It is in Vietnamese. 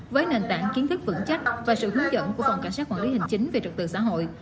với nền tảng kiến thức vững chắc và sự hướng dẫn của phòng cảnh sát quản lý hành chính về trật tự xã hội